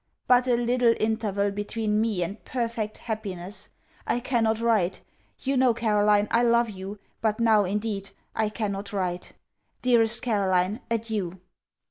But a little interval between me and perfect happiness! I cannot write. You know, Caroline, I love you, but now, indeed, I cannot write. Dearest Caroline, adieu.